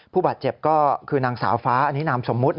ผู้บาดเจ็บก็คือนางสาวฟ้าอันนี้นามสมมุติ